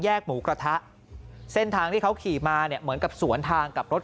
หมูกระทะเส้นทางที่เขาขี่มาเนี่ยเหมือนกับสวนทางกับรถ